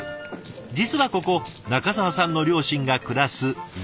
実はここ仲澤さんの両親が暮らすご実家。